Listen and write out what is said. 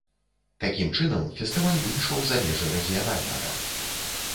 Такім чынам, фестываль выйшаў за межы рэгіянальнага.